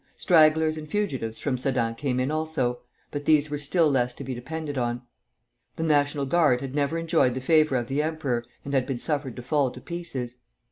Stragglers and fugitives from Sedan came in also, but these were still less to be depended on. The National Guard had never enjoyed the favor of the emperor, and had been suffered to fall to pieces.